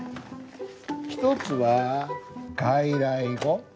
１つは外来語。